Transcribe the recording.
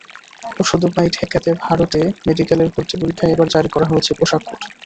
অসদুপায় ঠেকাতে ভারতে মেডিকেলের ভর্তি পরীক্ষায় এবার জারি করা হয়েছে পোশাক কোড।